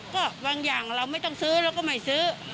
ก็บางอย่างเราไม่ต้องซื้อเราก็ไม่ซื้อ